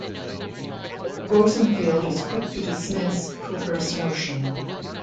Rosenfield is quick to dismiss Cooper's notion.